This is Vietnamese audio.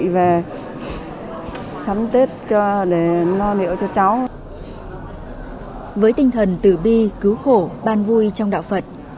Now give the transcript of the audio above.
với tinh thần tử bi cứu khổ ban vui trong đạo phật